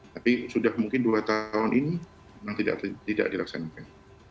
tapi sudah mungkin dua tahun ini memang tidak dilaksanakan